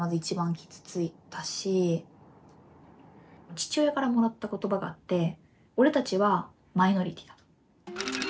父親からもらった言葉があって「俺たちはマイノリティーだ」と。